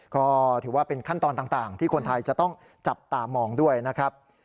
ก็ถือว่าเป็นขั้นตอนต่างที่คนไทยจะต้องจับตามองด้วยนะครับ